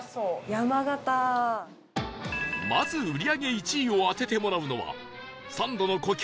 まず売り上げ１位を当ててもらうのはサンドの故郷